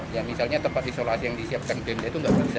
ya misalnya tempat isolasi yang disiapkan pemda itu nggak bisa